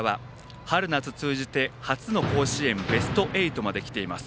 春夏通じて初の甲子園ベスト８まできています。